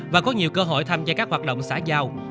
và có nhiều cơ hội tham gia các hoạt động xã giao